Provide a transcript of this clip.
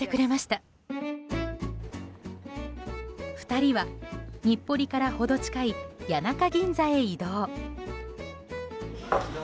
２人は、日暮里から程近い谷中ぎんざへ移動。